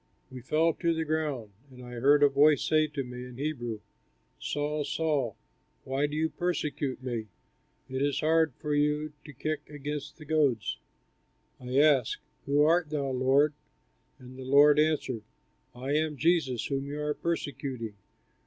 We fell to the ground, and I heard a voice say to me in Hebrew, "Saul, Saul, why do you persecute me? It is hard for you to kick against the goads." I asked, "Who art thou, Lord?" and the Lord answered, "I am Jesus whom you are persecuting.